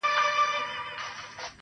صبر وکړه لا دي زمانه راغلې نه ده.